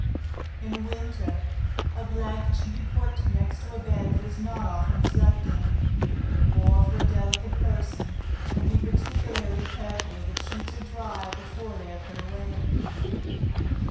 In winter a blanket should be put next a bed that is not often slept in, or for a delicate person, and be particularly careful, that sheets are dry before they are put away.